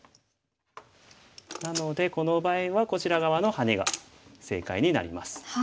なのでこの場合はこちら側のハネが正解になります。